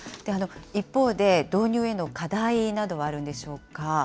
一方で、導入への課題などはあるんでしょうか。